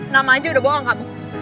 nama aja udah bohong kamu